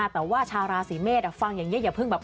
แต่ว่าชาวราศีเมษฟังอย่างนี้อย่าเพิ่งแบบ